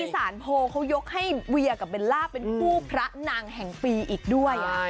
สารโพเขายกให้เวียกับเบลล่าเป็นคู่พระนางแห่งปีอีกด้วย